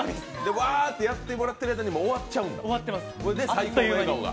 うわーってやってもらってる間に終わっちゃうんだ、それで最高の笑顔が。